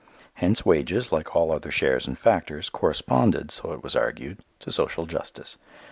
Hence wages, like all other shares and factors, corresponded, so it was argued, to social justice.